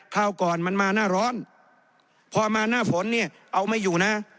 คราวก่อนมันมาหน้าร้อนพอมาหน้าฝนเนี่ยเอาไม่อยู่นะ